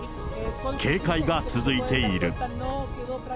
警戒が続いている。